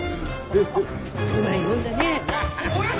うまいもんだね。